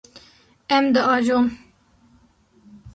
Em diajon.